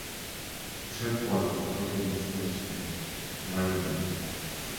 Its headquarters is located in Silver Spring, Maryland.